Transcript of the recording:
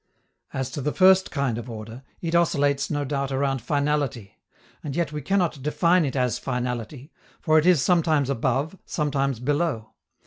As to the first kind of order, it oscillates no doubt around finality; and yet we cannot define it as finality, for it is sometimes above, sometimes below.